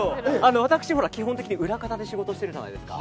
私、基本的に裏方で仕事しているじゃないですか。